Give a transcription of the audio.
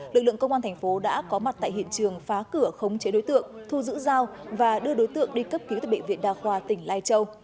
lực lượng công an thành phố đã có mặt tại hiện trường phá cửa khống chế đối tượng thu giữ dao và đưa đối tượng đi cấp cứu tại bệnh viện đa khoa tỉnh lai châu